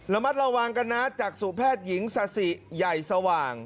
ระมัดระวังกันนะจากสู่แพทย์หญิงซาสิใหญ่สว่าง